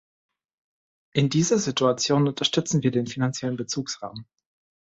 In dieser Situation unterstützen wir den finanziellen Bezugsrahmen.